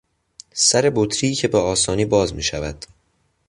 سر بطری که به آسانی باز میشود